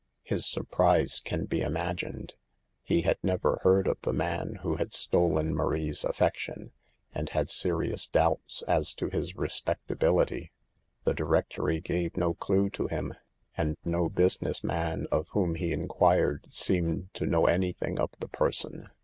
His sur prise can be imagined. He had never heard of the man who had stolen Marie's affection, and had serious doubts as to his respectability. The directory gave no clue to him, and no busi ness man of whom he inquired seemed to know anything of the person.